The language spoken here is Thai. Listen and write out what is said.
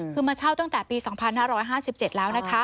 คือมาเช่าตั้งแต่ปี๒๕๕๗แล้วนะคะ